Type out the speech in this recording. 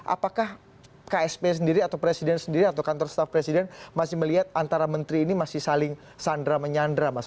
apakah ksp sendiri atau presiden sendiri atau kantor staff presiden masih melihat antara menteri ini masih saling sandra menyandra mas